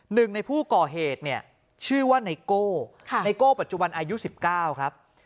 หนึ่งในผู้ก่อเหตุเนี่ยชื่อว่าไนโก้ไนโก้ปัจจุบันอายุ๑๙ครับ